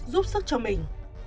giúp sức cho mình